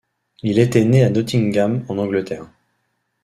Il était né à Nottingham en Angleterre.